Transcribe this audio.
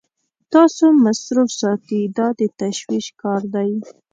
تاسو مصروف ساتي دا د تشویش کار دی.